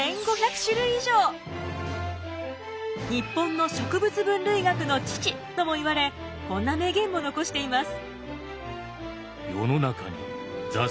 日本の植物分類学の父ともいわれこんな名言も残しています。